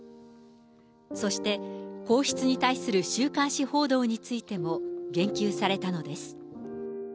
そして皇室に対する週刊誌報道についても言及されたのです。